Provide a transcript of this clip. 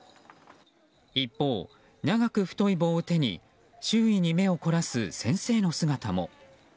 一方、長く太い棒を手に周囲に目を凝らす先生の姿も。